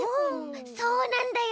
そうなんだよ。